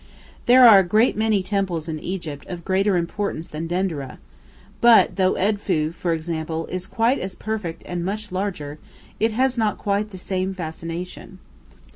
There are a great many temples in Egypt of greater importance than Dendereh, but though Edfu, for example, is quite as perfect and much larger, it has not quite the same fascination.